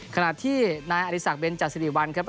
ขณะที่ริสักเบนจาฟิริวัลครับ